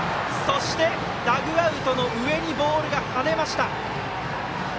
ダグアウトの上にボールが跳ねました。